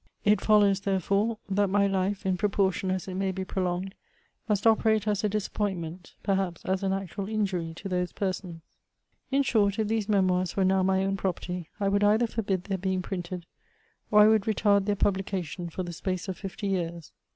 It follows, therefore, that my life, in pro> portion as it may be prolonged, must operate as a disap pointment, perhaps as an actual injury to those persons. In short, if these Memoirs were now my own property, I would either forbid their being printed, or I would retard their pubhcation for the space of fifty years.